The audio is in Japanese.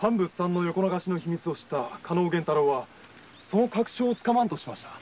横流しの秘密を知った加納源太郎はその確証を掴まんとしました。